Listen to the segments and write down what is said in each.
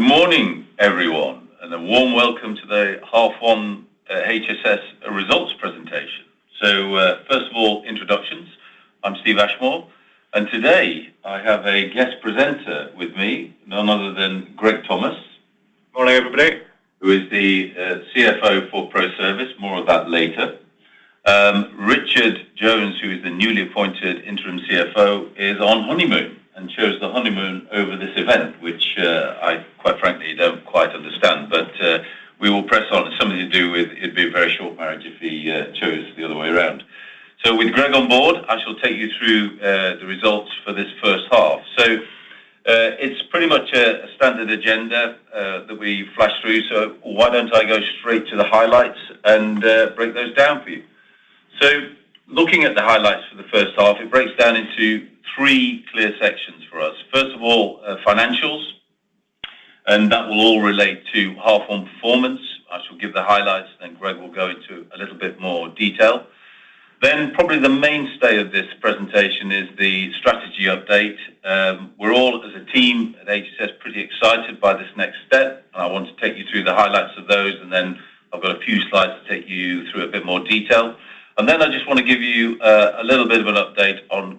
Good morning, everyone, and a warm welcome to the half one HSS results presentation. First of all, introductions. I'm Steve Ashmore, and today, I have a guest presenter with me, none other than Greig Thomas. Morning, everybody. Who is the CFO for ProService. More of that later. Richard Jones, who is the newly appointed interim CFO, is on honeymoon and chose the honeymoon over this event, which, I quite frankly don't quite understand. But, we will press on. It's something to do with it'd be a very short marriage if he chose the other way around. So with Greig on board, I shall take you through the results for this first half. So, it's pretty much a standard agenda that we flashed through. So why don't I go straight to the highlights and break those down for you? So looking at the highlights for the first half, it breaks down into three clear sections for us. First of all, financials, and that will all relate to half one performance. I shall give the highlights, then Greig will go into a little bit more detail. Then, probably the mainstay of this presentation is the strategy update. We're all, as a team at HSS, pretty excited by this next step. I want to take you through the highlights of those, and then I've got a few slides to take you through a bit more detail, and then I just want to give you a little bit of an update on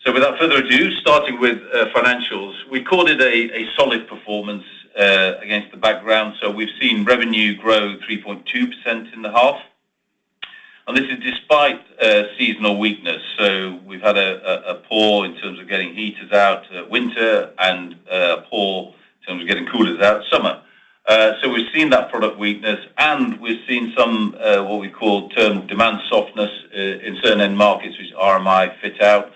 current trading. So without further ado, starting with financials, we called it a solid performance against the background. So we've seen revenue grow 3.2% in the half, and this is despite seasonal weakness. So we've had a poor in terms of getting heaters out winter and poor in terms of getting coolers out summer. So we've seen that product weakness, and we've seen some what we call short-term demand softness in certain end markets, which RMI fit-out,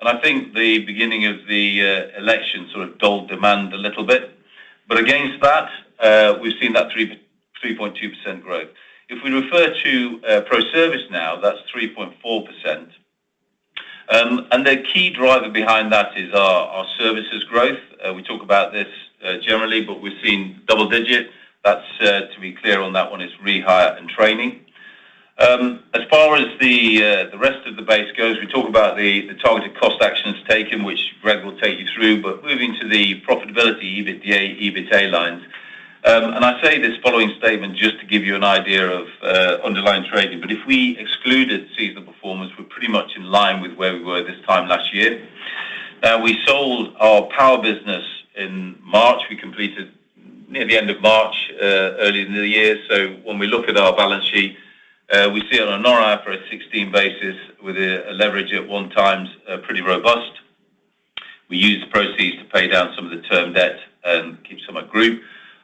and I think the beginning of the election sort of dulled demand a little bit. But against that, we've seen that 3.2% growth. If we refer to ProService now, that's 3.4%, and the key driver behind that is our services growth. We talk about this generally, but we've seen double-digit. That's, to be clear on that one, is rehire and training. As far as the rest of the base goes, we talk about the targeted cost actions taken, which Greig will take you through, but moving to the profitability, EBITDA, EBITA lines. And I say this following statement just to give you an idea of underlying trading, but if we excluded seasonal performance, we're pretty much in line with where we were this time last year. We sold our power business in March. We completed near the end of March, earlier in the year. So when we look at our balance sheet, we see on an IFRS 16 basis with a leverage at one times, pretty robust. We used the proceeds to pay down some of the term debt and keep some in group.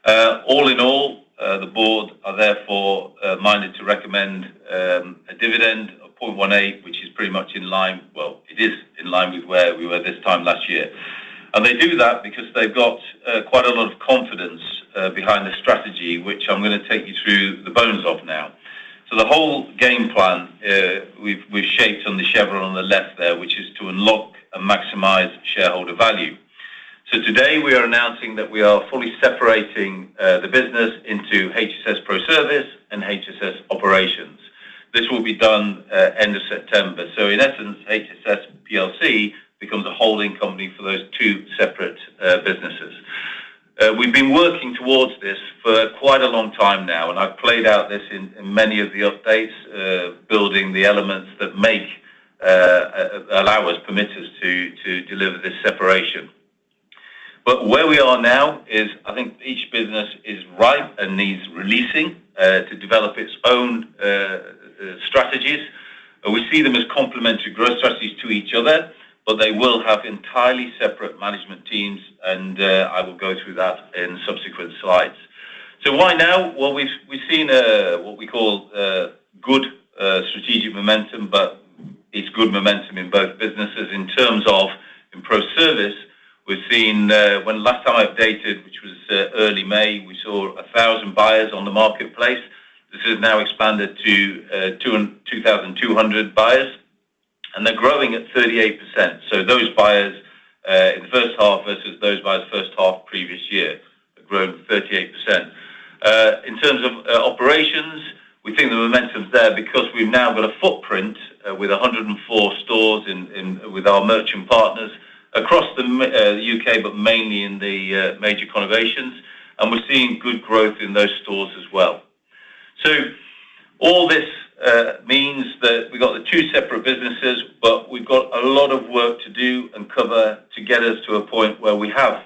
All in all, the board are therefore minded to recommend a dividend of 0.18, which is pretty much in line with where we were this time last year. It is in line with where we were this time last year. And they do that because they've got quite a lot of confidence behind the strategy, which I'm gonna take you through the bones of now. So the whole game plan we've shaped on the chevron on the left there, which is to unlock and maximize shareholder value. So today, we are announcing that we are fully separating the business into HSS ProService and HSS Operations. This will be done end of September. So in essence, HSS PLC becomes a holding company for those two separate businesses. We've been working towards this for quite a long time now, and I've played out this in many of the updates building the elements that make allow us permit us to deliver this separation. But where we are now is, I think each business is ripe and needs releasing to develop its own strategies. We see them as complementary growth strategies to each other, but they will have entirely separate management teams, and I will go through that in subsequent slides. So why now? Well, we've seen what we call good strategic momentum, but it's good momentum in both businesses. In terms of ProService, we've seen, when last time I updated, which was early May, we saw 1,000 buyers on the marketplace. This has now expanded to 2,200 buyers, and they're growing at 38%. So those buyers in the first half versus those buyers the first half previous year have grown 38%. In terms of operations, we think the momentum is there because we've now got a footprint with 104 stores in with our merchant partners across the UK, but mainly in the major conurbations, and we're seeing good growth in those stores as well. So all this means that we've got the two separate businesses, but we've got a lot of work to do and cover to get us to a point where we have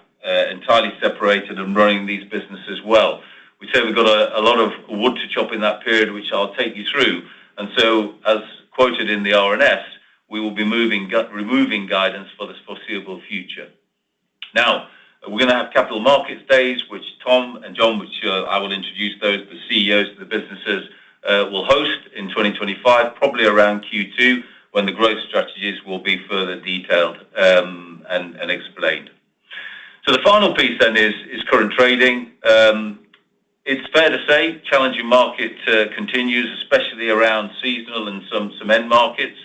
entirely separated and running these businesses well. We say we've got a lot of wood to chop in that period, which I'll take you through. So, as quoted in the RNS, we will be removing guidance for the foreseeable future. Now, we're gonna have capital markets days, which Tom and John, which, I will introduce those, the CEOs of the businesses, will host in 2025, probably around Q2, when the growth strategies will be further detailed, and explained. So the final piece then is current trading. It's fair to say challenging market continues, especially around seasonal and some end markets.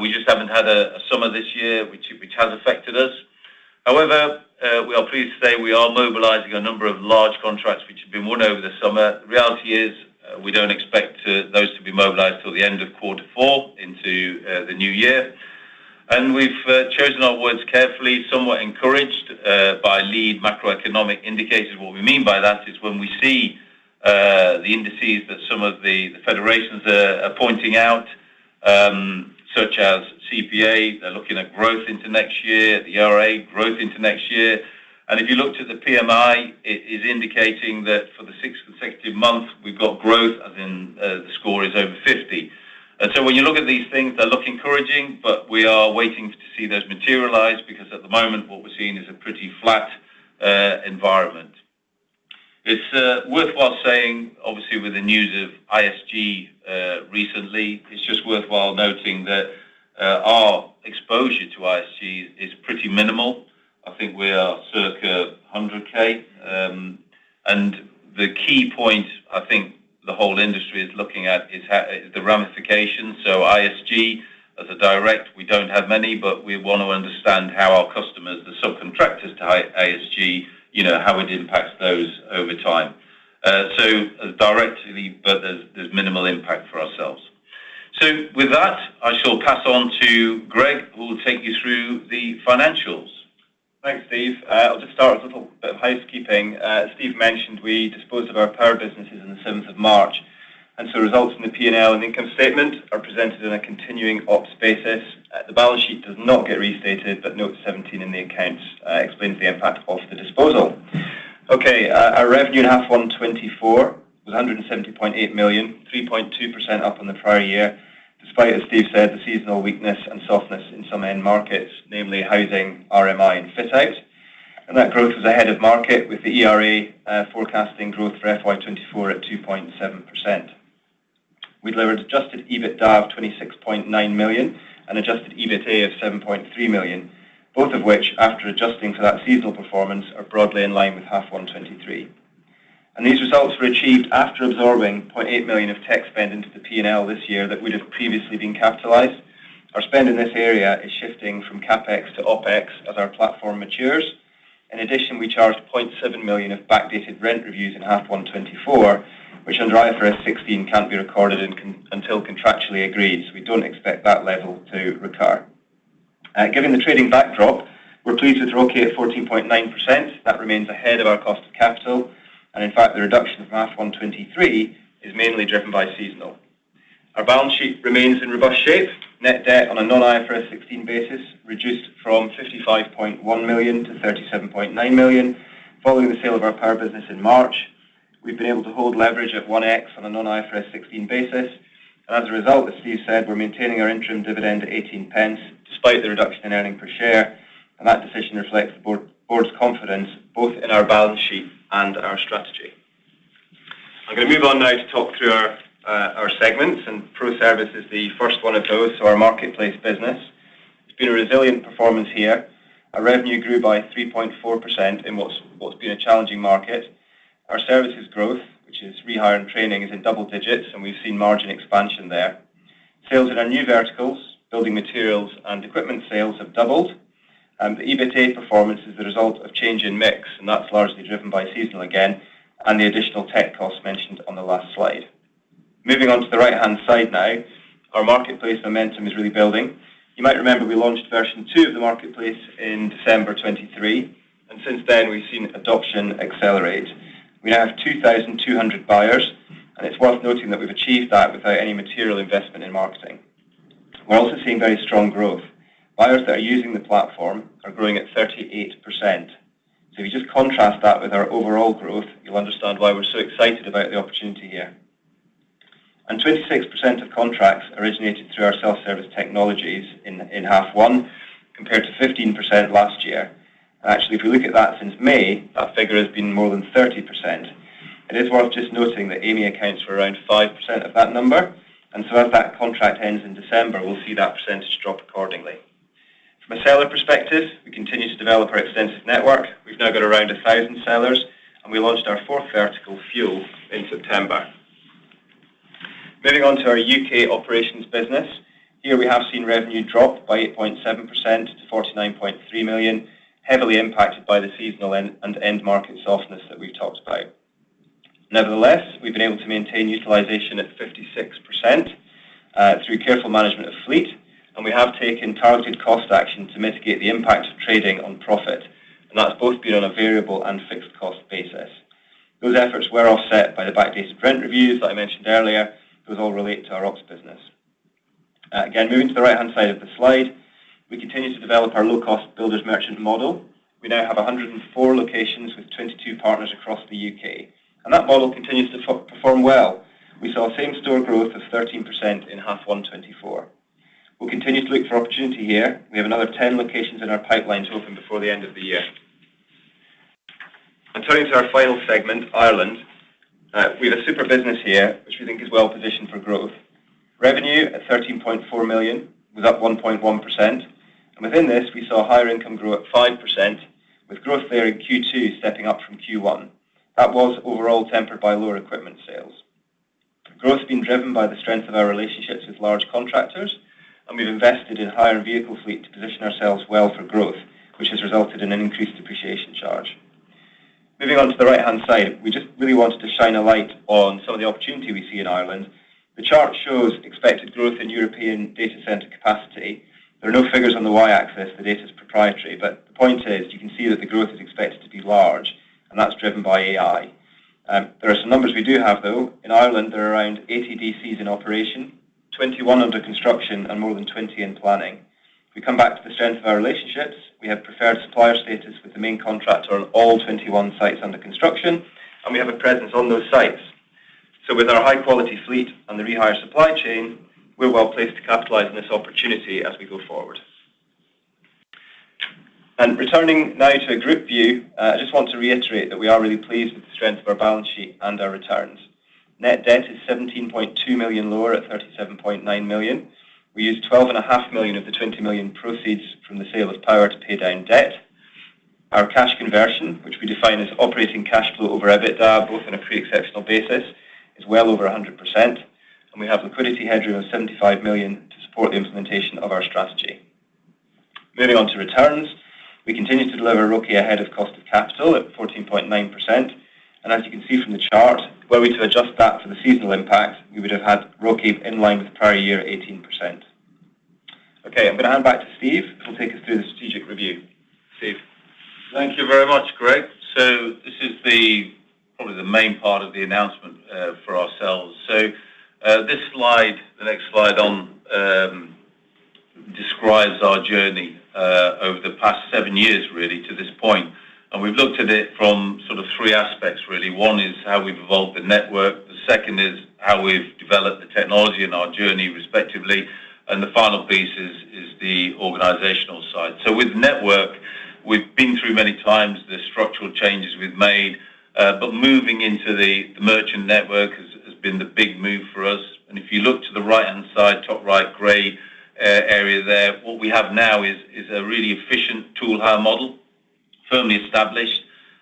We just haven't had a summer this year, which has affected us. However, we are pleased to say we are mobilizing a number of large contracts which have been won over the summer. The reality is, we don't expect those to be mobilized till the end of quarter four, the new year, and we've chosen our words carefully, somewhat encouraged by lead macroeconomic indicators. What we mean by that is when we see the indices that some of the federations are pointing out, such as CPA, they're looking at growth into next year, the ERA growth into next year. And if you looked at the PMI, it is indicating that for the sixth consecutive month, we've got growth, as in the score is over fifty. And so when you look at these things, they look encouraging, but we are waiting to see those materialize because at the moment, what we're seeing is a pretty flat environment. It's worthwhile saying, obviously, with the news of ISG recently, it's just worthwhile noting that our exposure to ISG is pretty minimal. I think we are circa one hundred K. And the key point, I think the whole industry is looking at is how is the ramification. So ISG, as a direct, we don't have many, but we want to understand how our customers, the subcontractors to ISG, you know, how it impacts those over time. So directly, but there's minimal impact for ourselves. So with that, I shall pass on to Greig, who will take you through the financials. Thanks, Steve. I'll just start with a little bit of housekeeping. Steve mentioned we disposed of our power businesses on the seventh of March, and so results in the P&L and income statement are presented in a continuing ops basis. The balance sheet does not get restated, but note 17 in the accounts explains the impact of the disposal. Okay, our revenue in half one 2024 was 170.8 million, 3.2% up on the prior year, despite, as Steve said, the seasonal weakness and softness in some end markets, namely housing, RMI, and fit out. And that growth was ahead of market, with the ERA forecasting growth for FY 2024 at 2.7%. We delivered adjusted EBITDA of £26.9 million and adjusted EBITA of £7.3 million, both of which, after adjusting for that seasonal performance, are broadly in line with half one 2023, and these results were achieved after absorbing £0.8 million of tech spend into the P&L this year that would have previously been capitalized. Our spend in this area is shifting from CapEx to OpEx as our platform matures. In addition, we charged £0.7 million of backdated rent reviews in half one 2024, which under IFRS 16, can't be recorded until contractually agreed, so we don't expect that level to recur. Given the trading backdrop, we're pleased with ROCE of 14.9%. That remains ahead of our cost of capital, and in fact, the reduction of half one 2023 is mainly driven by seasonal. Our balance sheet remains in robust shape. Net debt on a non-IFRS 16 basis reduced from 55.1 million-37.9 million. Following the sale of our power business in March, we've been able to hold leverage at 1x on a non-IFRS 16 basis, and as a result, as Steve said, we're maintaining our interim dividend to 0.18, despite the reduction in earnings per share, and that decision reflects the board's confidence both in our balance sheet and our strategy. I'm gonna move on now to talk through our our segments, and ProService is the first one of those, so our marketplace business. It's been a resilient performance here. Our revenue grew by 3.4% in what's been a challenging market. Our services growth, which is rehire and training, is in double digits, and we've seen margin expansion there. Sales in our new verticals, building materials and equipment sales, have doubled, and the EBITA performance is the result of change in mix, and that's largely driven by seasonality again, and the additional tech costs mentioned on the last slide. Moving on to the right-hand side now. Our marketplace momentum is really building. You might remember we launched version 2 of the marketplace in December 2023, and since then, we've seen adoption accelerate. We now have 2,200 buyers, and it's worth noting that we've achieved that without any material investment in marketing. We're also seeing very strong growth. Buyers that are using the platform are growing at 38%. So if you just contrast that with our overall growth, you'll understand why we're so excited about the opportunity here. Twenty-six percent of contracts originated through our self-service technologies in half one, compared to fifteen percent last year. Actually, if we look at that since May, that figure has been more than thirty percent. It is worth just noting that Amey accounts for around five percent of that number, and so as that contract ends in December, we'll see that percentage drop accordingly. From a seller perspective, we continue to develop our extensive network. We've now got around 1,000 sellers, and we launched our fourth vertical, fuel, in September. Moving on to our UK operations business. Here, we have seen revenue drop by 8.7% to 49.3 million, heavily impacted by the seasonal and end market softness that we've talked about. Nevertheless, we've been able to maintain utilization at 56%, through careful management of fleet, and we have taken targeted cost action to mitigate the impact of trading on profit, and that's both been on a variable and fixed cost basis. Those efforts were offset by the backdated rent reviews that I mentioned earlier, those all relate to our ops business. Again, moving to the right-hand side of the slide, we continue to develop our low-cost builders merchant model. We now have 104 locations with 22 partners across the U.K., and that model continues to perform well. We saw same-store growth of 13% in half one twenty-four. We'll continue to look for opportunity here. We have another 10 locations in our pipeline to open before the end of the year. Turning to our final segment, Ireland. We have a super business here, which we think is well-positioned for growth. Revenue at 13.4 million, was up 1.1%, and within this, we saw hire income grow at 5%, with growth there in Q2 stepping up from Q1. That was overall tempered by lower equipment sales. Growth has been driven by the strength of our relationships with large contractors, and we've invested in hire vehicle fleet to position ourselves well for growth, which has resulted in an increased depreciation charge. Moving on to the right-hand side, we just really wanted to shine a light on some of the opportunity we see in Ireland. The chart shows expected growth in European data center capacity. There are no figures on the Y-axis, the data is proprietary, but the point is, you can see that the growth is expected to be large, and that's driven by AI. There are some numbers we do have, though. In Ireland, there are around eighty DCs in operation, twenty-one under construction, and more than twenty in planning. We come back to the strength of our relationships. We have preferred supplier status with the main contractor on all twenty-one sites under construction, and we have a presence on those sites, so with our high-quality fleet and the rehire supply chain, we're well-placed to capitalize on this opportunity as we go forward, and returning now to a group view, I just want to reiterate that we are really pleased with the strength of our balance sheet and our returns. Net debt is 17.2 million lower at 37.9 million. We used 12.5 million of the 20 million proceeds from the sale of Power to pay down debt. Our cash conversion, which we define as operating cash flow over EBITDA, both on a pre-exceptional basis, is well over 100%, and we have liquidity headroom of 75 million to support the implementation of our strategy. Moving on to returns, we continue to deliver ROCE ahead of cost of capital at 14.9%, and as you can see from the chart, were we to adjust that for the seasonal impact, we would have had ROCE in line with the prior year, 18%. Okay, I'm gonna hand back to Steve, who will take us through the strategic review. Steve. Thank you very much, Greig. So this is probably the main part of the announcement for ourselves. So this slide, the next slide on, describes our journey over the past seven years, really, to this point. And we've looked at it from sort of three aspects, really. One is how we've evolved the network, the second is how we've developed the technology in our journey, respectively, and the final piece is the organizational side. So with network, we've been through many times the structural changes we've made, but moving into the merchant network has been the big move for us. And if you look to the right-hand side, top right gray area there, what we have now is a really efficient tool hire model, firmly established,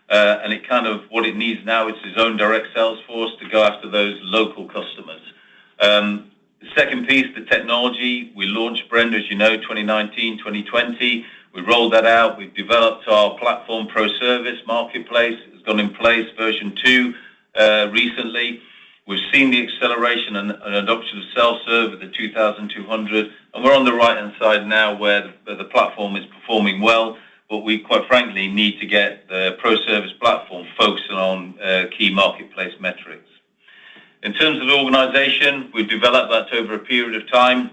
and what it needs now is its own direct sales force to go after those local customers. The second piece, the technology, we launched Brenda, as you know, 2019, 2020. We rolled that out, we've developed our platform, ProService Marketplace. It's gone in place version two recently. We've seen the acceleration and adoption of self-serve at the 2,200, and we're on the right-hand side now where the platform is performing well, but we, quite frankly, need to get the ProService platform focused on key marketplace metrics. In terms of organization, we've developed that over a period of time.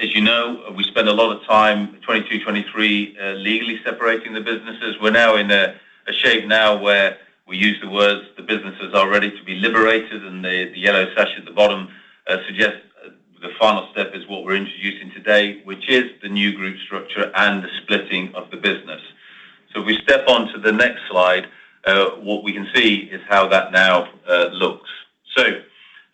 As you know, we spent a lot of time, 2022, 2023, legally separating the businesses. We're now in a shape now where we use the words, "The businesses are ready to be liberated," and the yellow sash at the bottom suggests the final step is what we're introducing today, which is the new group structure and the splitting of the business. So if we step on to the next slide, what we can see is how that now looks. So,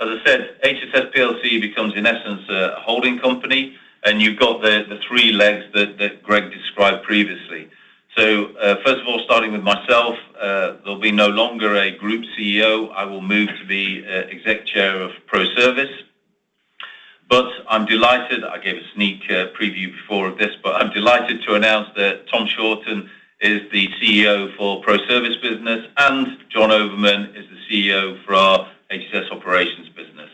as I said, HSS PLC becomes, in essence, a holding company, and you've got the three legs that Greig described previously. So, first of all, starting with myself, there'll be no longer a group CEO. I will move to be exec chair of ProService. But I'm delighted. I gave a sneak preview before of this, but I'm delighted to announce that Tom Shorten is the CEO for ProService business, and John Overman is the CEO for our HSS Operations business.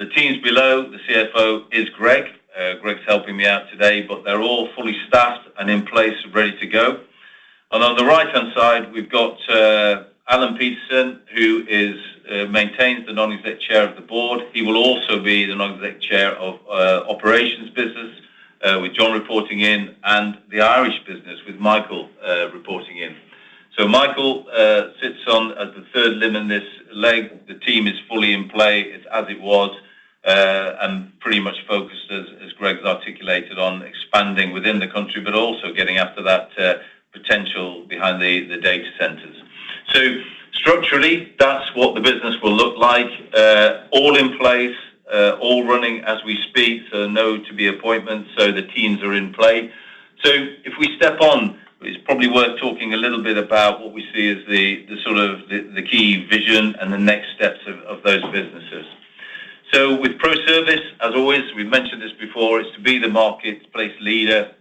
The teams below, the CFO is Greig. Greig's helping me out today, but they're all fully staffed and in place, ready to go. And on the right-hand side, we've got Alan Peterson, who maintains the non-exec chair of the board. He will also be the non-exec chair of Operations business with John reporting in, and the Irish business, with Michael reporting in. So Michael sits on as the third limb in this leg. The team is fully in play. It's as it was and pretty much focused, as Greig has articulated, on expanding within the country, but also getting after that potential behind the data centers. Structurally, that's what the business will look like. All in place, all running as we speak, so no to-be appointments, so the teams are in play. If we step on, it's probably worth talking a little bit about what we see as the sort of key vision and the next steps of those businesses. With ProService, as always, we've mentioned this before, it's to be the marketplace leader,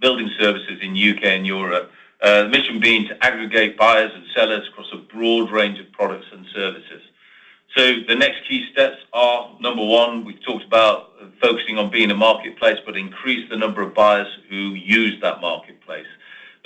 building services in U.K. and Europe. The mission being to aggregate buyers and sellers across a broad range of products and services. So the next key steps are, number one, we talked about focusing on being a marketplace, but increase the number of buyers who use that marketplace.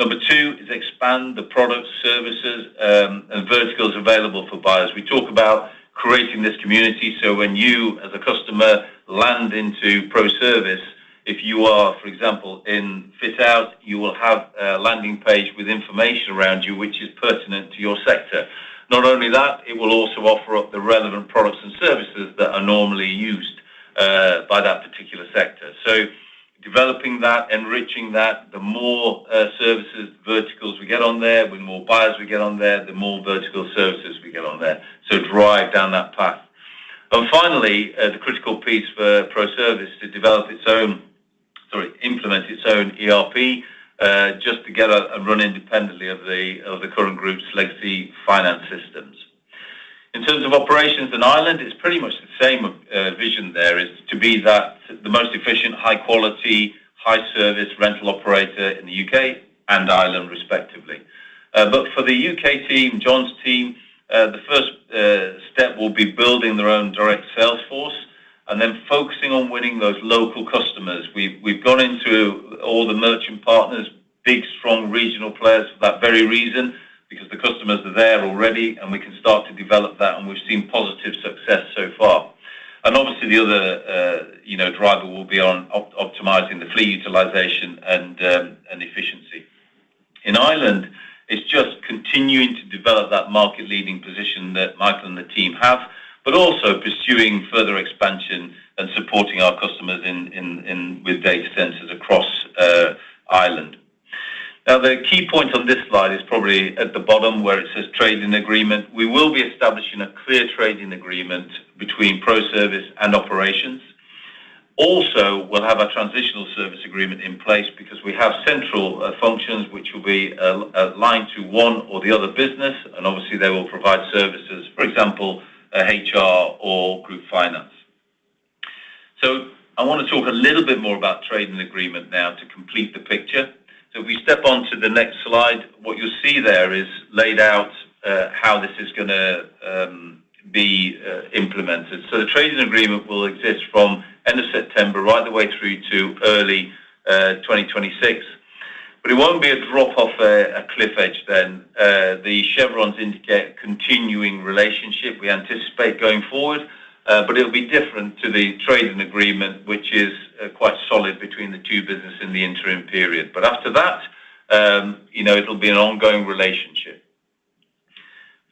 Number two is expand the products, services, and verticals available for buyers. We talk about creating this community, so when you, as a customer, land into ProService, if you are, for example, in fit out, you will have a landing page with information around you, which is pertinent to your sector. Not only that, it will also offer up the relevant products and services that are normally used by that particular sector. So developing that, enriching that, the more services, verticals we get on there, the more buyers we get on there, the more vertical services we get on there. So drive down that path. And finally, the critical piece for ProService to develop its own, sorry, implement its own ERP, just to get out and run independently of the current group's legacy finance system... In terms of operations in Ireland, it's pretty much the same vision there, is to be that the most efficient, high quality, high service rental operator in the UK and Ireland, respectively. But for the UK team, John's team, the first step will be building their own direct sales force and then focusing on winning those local customers. We've gone into all the merchant partners, big, strong regional players for that very reason, because the customers are there already, and we can start to develop that, and we've seen positive success so far. And obviously, the other, you know, driver will be on optimizing the fleet utilization and efficiency. In Ireland, it's just continuing to develop that market-leading position that Michael and the team have, but also pursuing further expansion and supporting our customers in with data centers across Ireland. Now, the key point on this slide is probably at the bottom, where it says trading agreement. We will be establishing a clear trading agreement between ProService and operations. Also, we'll have a transitional service agreement in place because we have central functions which will be aligned to one or the other business, and obviously, they will provide services, for example, HR or group finance. So I wanna talk a little bit more about trading agreement now to complete the picture. So if we step on to the next slide, what you'll see there is laid out how this is gonna be implemented. So the trading agreement will exist from end of September, right the way through to early 2026. But it won't be a drop off a cliff edge then. The chevrons indicate continuing relationship we anticipate going forward, but it'll be different to the trading agreement, which is quite solid between the two businesses in the interim period. But after that, you know, it'll be an ongoing relationship.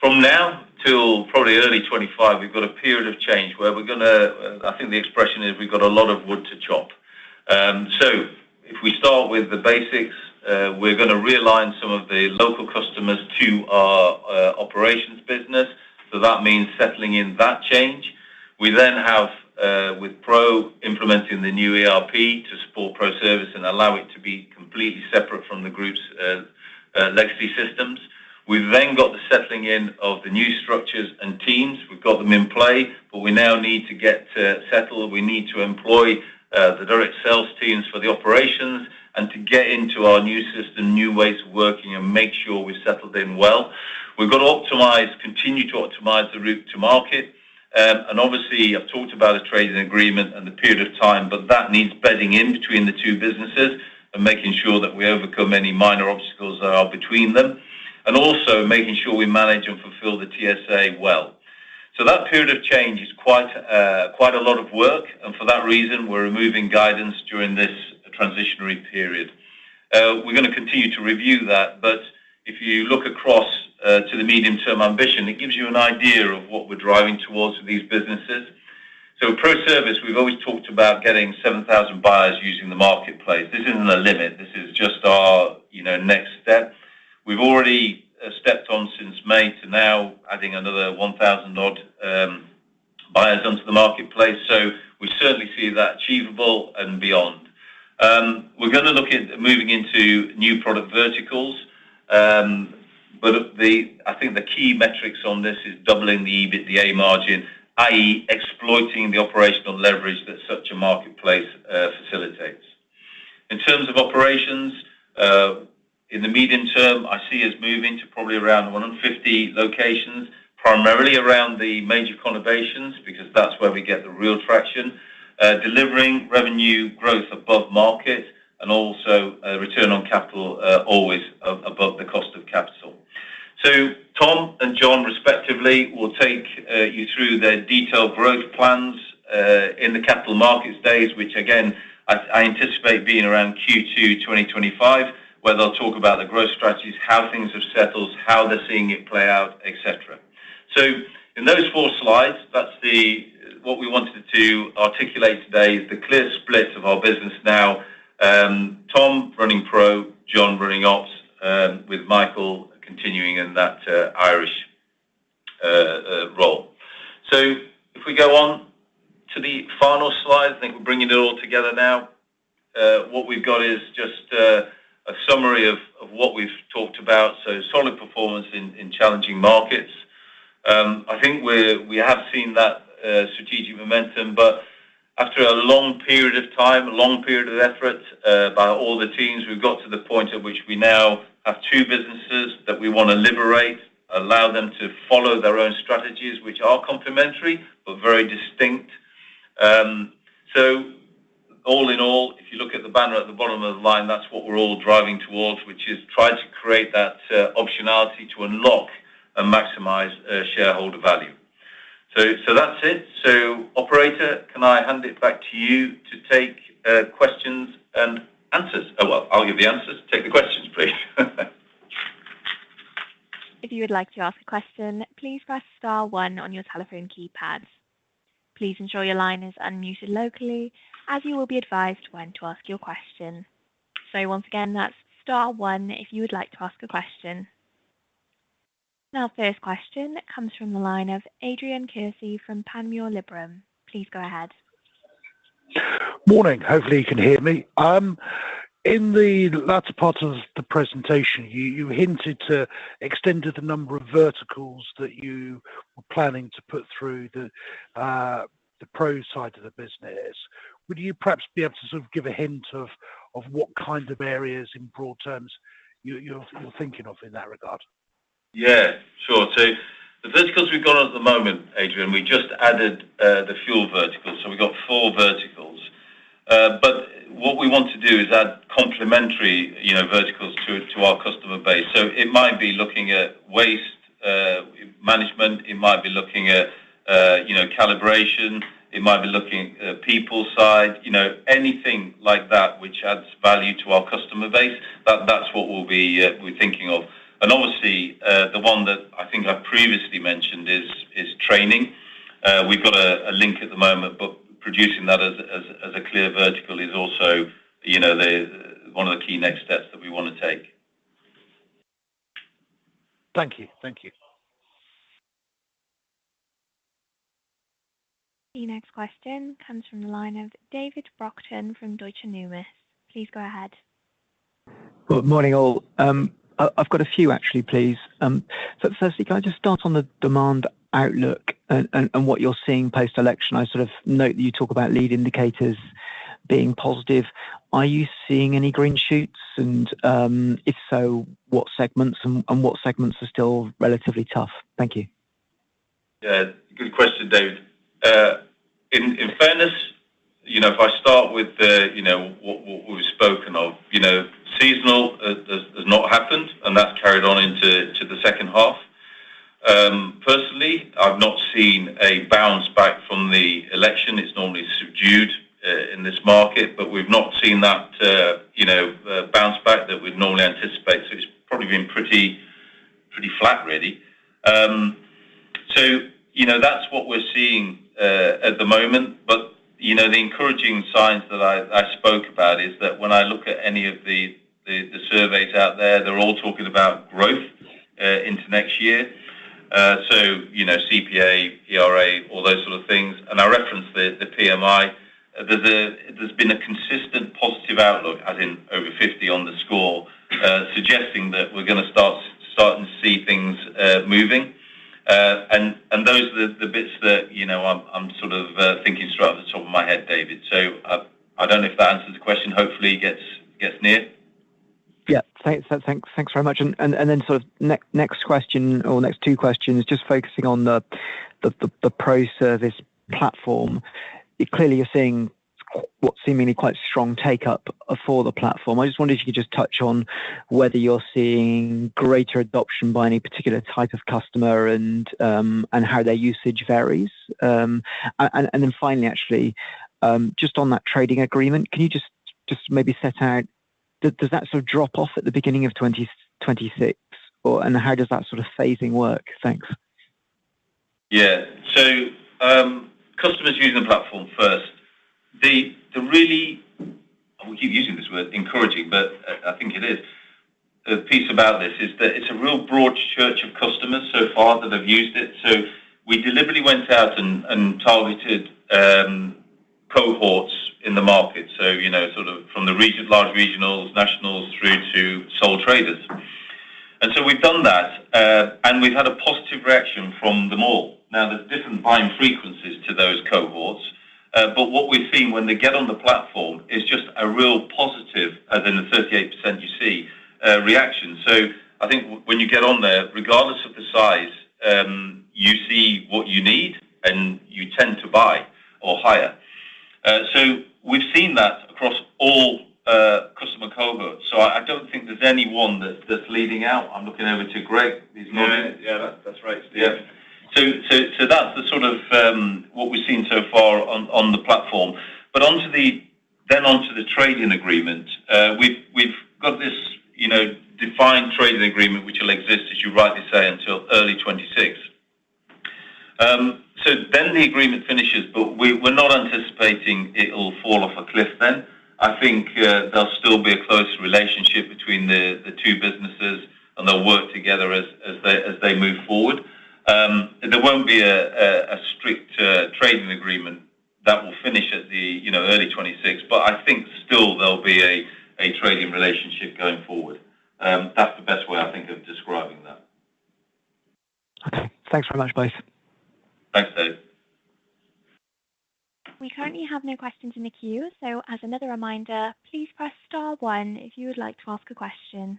From now till probably early 2025, we've got a period of change where we're gonna. I think the expression is, we've got a lot of wood to chop. So if we start with the basics, we're gonna realign some of the local customers to our operations business, so that means settling in that change. We then have with Pro implementing the new ERP to support ProService and allow it to be completely separate from the group's legacy systems. We've then got the settling in of the new structures and teams. We've got them in play, but we now need to get settled. We need to employ the direct sales teams for the operations and to get into our new system, new ways of working, and make sure we've settled in well. We've got to optimize, continue to optimize the route to market. And obviously, I've talked about a trading agreement and the period of time, but that needs bedding in between the two businesses and making sure that we overcome any minor obstacles that are between them, and also making sure we manage and fulfill the TSA well. So that period of change is quite, quite a lot of work, and for that reason, we're removing guidance during this transitionary period. We're gonna continue to review that, but if you look across, to the medium-term ambition, it gives you an idea of what we're driving towards with these businesses. So ProService, we've always talked about getting seven thousand buyers using the marketplace. This isn't a limit, this is just our, you know, next step. We've already, stepped on since May to now, adding another one thousand odd, buyers onto the marketplace, so we certainly see that achievable and beyond. We're gonna look at moving into new product verticals, but the... I think the key metrics on this is doubling the EBITDA margin, i.e., exploiting the operational leverage that such a marketplace, facilitates. In terms of operations, in the medium term, I see us moving to probably around 150 locations, primarily around the major conurbations, because that's where we get the real traction. Delivering revenue growth above market and also, return on capital, always above the cost of capital. So Tom and John, respectively, will take you through their detailed growth plans, in the capital markets days, which again, I anticipate being around Q2 2025, where they'll talk about the growth strategies, how things have settled, how they're seeing it play out, et cetera. So in those four slides, that's what we wanted to articulate today is the clear split of our business now. Tom running Pro, John running Ops, with Michael continuing in that Irish role. So if we go on to the final slide, I think we're bringing it all together now. What we've got is just a summary of what we've talked about. So solid performance in challenging markets. I think we have seen that strategic momentum, but after a long period of time, a long period of effort by all the teams, we've got to the point at which we now have two businesses that we wanna liberate, allow them to follow their own strategies, which are complementary, but very distinct. So all in all, if you look at the banner at the bottom of the line, that's what we're all driving towards, which is try to create that optionality to unlock and maximize shareholder value. So that's it. So operator, can I hand it back to you to take questions and answers? Oh, well, I'll give the answers. Take the questions, please. If you would like to ask a question, please press star one on your telephone keypad. Please ensure your line is unmuted locally, as you will be advised when to ask your question. Once again, that's star one if you would like to ask a question. Now, first question comes from the line of Adrian Kearsey from Panmure Liberum. Please go ahead.... Morning! Hopefully, you can hear me. In the latter part of the presentation, you hinted to extend to the number of verticals that you were planning to put through the pro side of the business. Would you perhaps be able to sort of give a hint of what kind of areas in broad terms you are thinking of in that regard? Yeah, sure. So the verticals we've got at the moment, Adrian, we just added the fuel vertical, so we got four verticals. But what we want to do is add complementary, you know, verticals to our customer base. So it might be looking at waste management, it might be looking at, you know, calibration, it might be looking at people side. You know, anything like that which adds value to our customer base, that's what we're thinking of. And obviously, the one that I think I previously mentioned is training. We've got a link at the moment, but producing that as a clear vertical is also, you know, the one of the key next steps that we wanna take. Thank you. Thank you. The next question comes from the line of David Brockton from Deutsche Numis. Please go ahead. Good morning, all. I've got a few, actually, please. So firstly, can I just start on the demand outlook and what you're seeing post-election? I sort of note that you talk about lead indicators being positive. Are you seeing any green shoots? And if so, what segments and what segments are still relatively tough? Thank you. Yeah. Good question, David. In fairness, you know, if I start with the, you know, what we've spoken of, you know, seasonal has not happened, and that's carried on into the second half. Personally, I've not seen a bounce back from the election. It's normally subdued in this market, but we've not seen that, you know, bounce back that we'd normally anticipate, so it's probably been pretty flat, really. So, you know, that's what we're seeing at the moment, but, you know, the encouraging signs that I spoke about is that when I look at any of the surveys out there, they're all talking about growth into next year. So, you know, CPA, ERA, all those sort of things, and I referenced the PMI. There's been a consistent positive outlook, as in over 50 on the score, suggesting that we're gonna start and see things moving. And those are the bits that, you know, I'm sort of thinking straight off the top of my head, David. So I don't know if that answers the question. Hopefully, it gets near. Yeah. Thanks very much. And then sort of next question or next two questions, just focusing on the pro service platform. Clearly, you're seeing what seemingly quite strong take up for the platform. I just wondered if you could just touch on whether you're seeing greater adoption by any particular type of customer and then finally, actually, just on that trading agreement, can you just maybe set out does that sort of drop off at the beginning of twenty twenty-six or and how does that sort of phasing work? Thanks. Yeah. So customers using the platform first, the really, and we keep using this word encouraging, but I think it is. The piece about this is that it's a real broad church of customers so far that have used it. So we deliberately went out and targeted cohorts in the market. So you know, sort of from the region, large regionals, nationals, through to sole traders. And so we've done that, and we've had a positive reaction from them all. Now, there's different buying frequencies to those cohorts, but what we've seen when they get on the platform is just a real positive, as in the 38% you see, reaction. So I think when you get on there, regardless of the size, you see what you need, and you tend to buy or hire. So we've seen that across all customer cohorts, so I don't think there's any one that's leading out. I'm looking over to Greig. Yeah. Yeah, that's right. Yeah. So that's the sort of what we've seen so far on the platform. But onto the trading agreement. We've got this, you know, defined trading agreement, which will exist, as you rightly say, until early 2026. So then the agreement finishes, but we're not anticipating it'll fall off a cliff then. I think there'll still be a close relationship between the two businesses, and they'll work together as they move forward. There won't be a strict trading agreement that will finish at the, you know, early 2026, but I think still there'll be a trading relationship going forward. That's the best way I think of describing that. Okay. Thanks very much, both. Thanks, David. We currently have no questions in the queue, so as another reminder, please press star one if you would like to ask a question.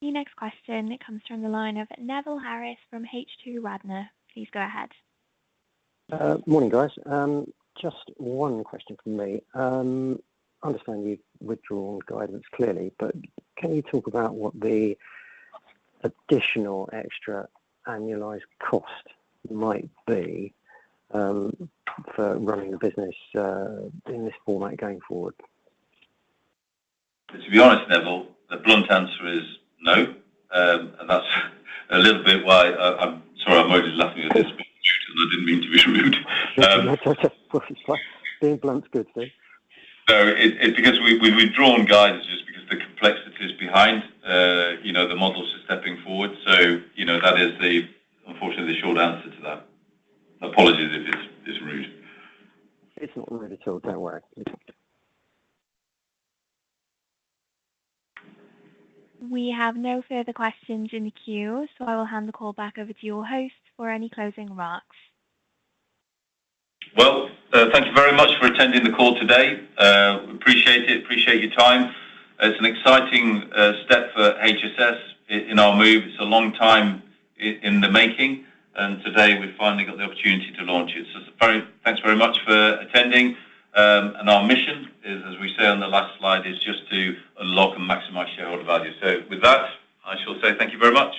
The next question, it comes from the line of Neville Harris from Radnor Capital Partners. Please go ahead. Morning, guys. Just one question from me. I understand you've withdrawn guidance clearly, but can you talk about what the additional extra annualized cost might be, for running the business, in this format going forward? To be honest, Neville, the blunt answer is no, and that's a little bit why I, I'm sorry, I'm only laughing at this because I didn't mean to be rude. That's okay. Being blunt is good, so. So it's because we've withdrawn guidance just because the complexities behind you know the models are stepping forward. So you know that is unfortunately the short answer to that. Apologies if it's rude. It's not rude at all. Don't worry. We have no further questions in the queue, so I will hand the call back over to your host for any closing remarks. Thank you very much for attending the call today. We appreciate it, appreciate your time. It's an exciting step for HSS in our move. It's a long time in the making, and today we finally got the opportunity to launch it. So thanks very much for attending, and our mission is, as we say on the last slide, is just to unlock and maximize shareholder value. So with that, I shall say thank you very much.